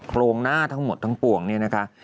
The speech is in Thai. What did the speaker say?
โครงหน้าทั้งหมดทั้งปวงเนี่ยนะคะ